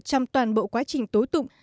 trong toàn bộ quá trình tối tụng